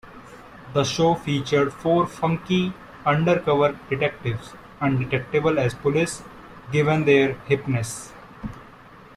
The show featured four "funky" undercover detectives: undetectable as police, given their "hipness".